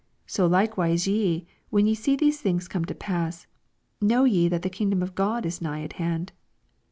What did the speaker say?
81 So likewise ye, when ye see these things come to pass, know ye that the kingdom of God is nigh at hand.